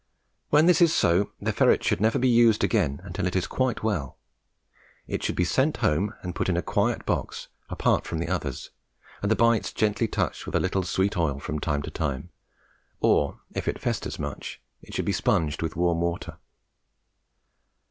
When this is so, the ferret should never be used again until it is quite well. It should be sent home and put in a quiet box, apart from the others, and the bites gently touched with a little sweet oil from time to time; or, if it festers much, it should be sponged with warm water.